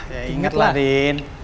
ya inget lah adin